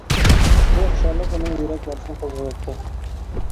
بۇ خۇشاللىق ئۇنىڭ يۈرەك يارىسىنى قوزغىۋەتتى.